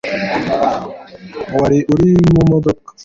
wari uri mu modoka